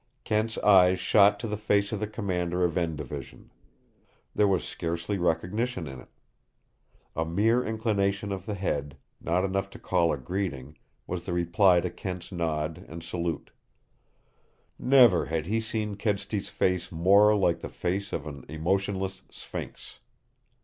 Kent's eyes shot to the face of the commander of N Division. There was scarcely recognition in it. A mere inclination of the head, not enough to call a greeting, was the reply to Kent's nod and salute. Never had he seen Kedsty's face more like the face of an emotionless sphinx.